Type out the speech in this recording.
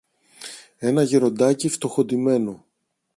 ένα γεροντάκι φτωχοντυμένο